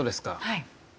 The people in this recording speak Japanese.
はい。